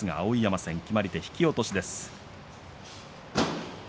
決まり手は引き落としです。